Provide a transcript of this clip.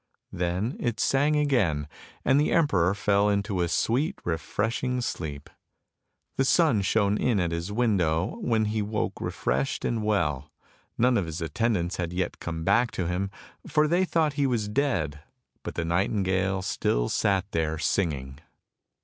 " Then it sang again, and the emperor fell into a sweet refresh ing sleep. The sun shone in at his window, when he woke refreshed and well; none of his attendants had yet come back 136 ANDERSEN'S FAIRY TALES to him, for they thought he was dead, but the nightingale still sat there singing.